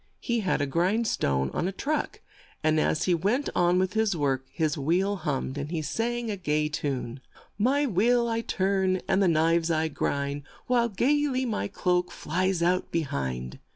He had a grind stone on a truck, and as he went on with his work; his wheel hummed, and he sang a gay tune :" My wheel I turn, and the knives I grind, While gay ly my cloak flies out be hind."